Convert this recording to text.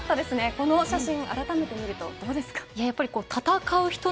この写真あらためて見るとどうですか。